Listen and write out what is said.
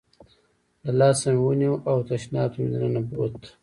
له لاسه مې ونیو او تشناب ته مې دننه بوت.